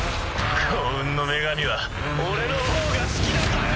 幸運の女神は俺の方が好きだとよ！